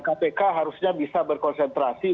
kpk harusnya bisa berkonsentrasi